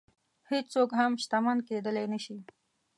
هېڅوک هم شتمن کېدلی نه شي.